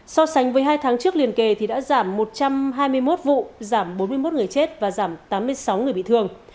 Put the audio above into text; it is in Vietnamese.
so sánh với hai tháng trước liền kề thì đã giảm một trăm hai mươi một vụ giảm bốn mươi một người chết và giảm tám mươi sáu người bị thương